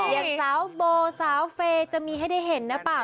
อย่างสาวโบสาวเฟย์จะมีให้ได้เห็นหรือเปล่า